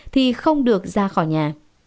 thì không được ra khỏi nhà